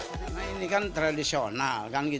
sedangkan ini kan tradisional